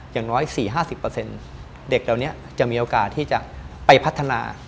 อย่างน้อย๔๕๐เด็กเหล่านี้จะมีโอกาสที่จะไปพัฒนา